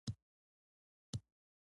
یعني نه بلکې یانې لیکئ!